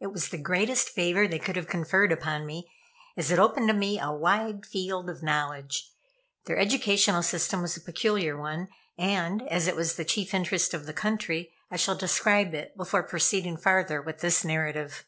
It was the greatest favor they could have conferred upon me, as it opened to me a wide field of knowledge. Their educational system was a peculiar one, and, as it was the chief interest of the country. I shall describe it before proceeding farther with this narrative.